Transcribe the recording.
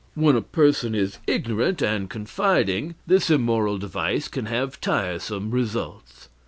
When a person is ignorant and confiding, this immoral device can have tiresome results.